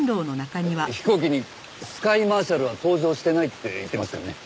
飛行機にスカイマーシャルは搭乗してないって言ってましたよね？